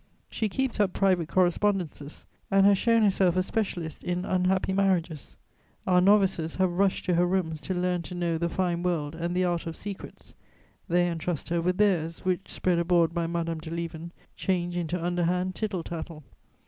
She keeps up private correspondences and has shown herself a specialist in unhappy marriages. Our novices have rushed to her rooms to learn to know the fine world and the art of secrets; they entrust her with theirs, which, spread abroad by Madame de Lieven, change into underhand tittle tattle.